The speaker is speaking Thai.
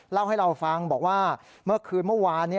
เล่าให้เราฟังบอกว่าเมื่อคืนเมื่อวาน